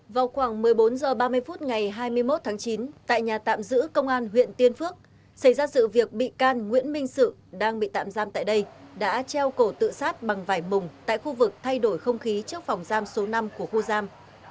vào khoảng một mươi bốn h ba mươi phút ngày hai mươi một tháng chín tại nhà tạm giữ công an huyện tiên phước xảy ra sự việc bị can nguyễn minh sự đang bị tạm giam tại đây đã treo cổ tự sát bằng vải mùng tại khu vực thay đổi không khí trước phòng giam số năm của khu giam